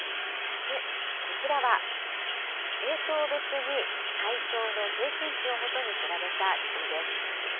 こちらは、政党別に回答の平均値を基に比べた図です。